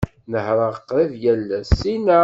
Nehhṛeɣ qrib yal ass.